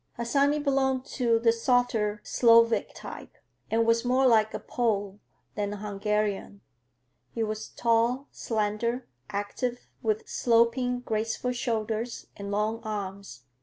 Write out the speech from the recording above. Harsanyi belonged to the softer Slavic type, and was more like a Pole than a Hungarian. He was tall, slender, active, with sloping, graceful shoulders and long arms.